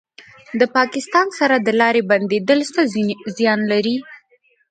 د پاکستان سره د لارې بندیدل څه زیان لري؟